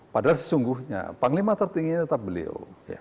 padahal sesungguhnya panglima tertingginya tetap beliau